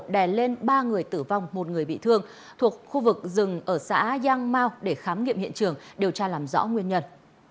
đè lên ba người tử vong một người bị thương thuộc khu vực rừng ở xã giang mau để khám nghiệm hiện trường điều tra làm rõ nguyên nhân